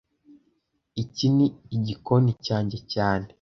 Iki ni igikoni cyanjye cyane